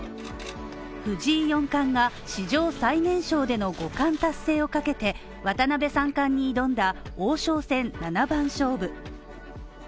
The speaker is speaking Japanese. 藤井４冠が史上最年少での５冠達成をかけて渡辺三冠に挑んだ王将戦７番勝負。